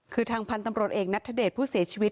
คือทางพันธุ์ตำรวจเอกนัทธเดชผู้เสียชีวิต